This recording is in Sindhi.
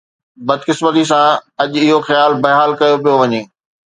بدقسمتي سان، اڄ اهو خيال بحال ڪيو پيو وڃي.